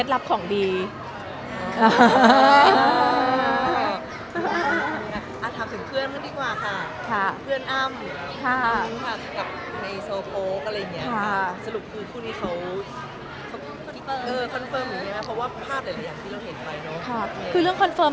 สรุปคือพู่นี่เขากริ้งคอนเฟิร์ม